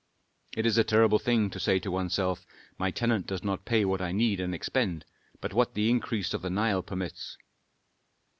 It is a terrible thing to say to one's self, 'My tenant does not pay what I need and expend, but what the increase of the Nile permits.'"